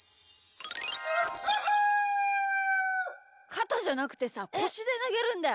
かたじゃなくてさこしでなげるんだよ。